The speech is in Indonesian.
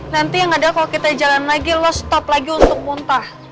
nanti yang ada kalau kita jalan lagi low stop lagi untuk muntah